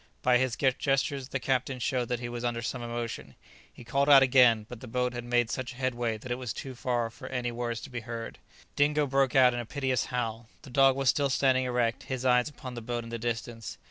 By his gestures the captain showed that he was under some emotion; he called out again, but the boat had made such headway that it was too far off for any words to be heard. Dingo broke out into a piteous howl. The dog was still standing erect, his eye upon the boat in the distance.